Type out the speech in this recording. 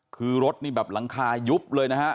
คือรถนี่แบบหลังคายุบเลยนะฮะ